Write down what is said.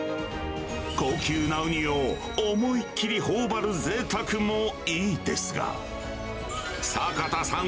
高級なウニを思いっきりほおばるぜいたくもいいですが、坂田さん